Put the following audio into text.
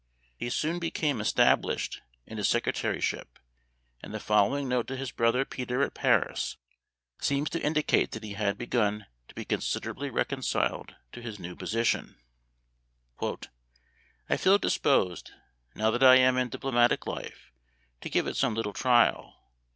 He soon became established in his sec retaryship, and the following note to his brother Peter at Paris seems to indicate that he had begun to be considerably reconciled to his new position :" I feel disposed, now that I am in diplomatic life, to give it some little trial.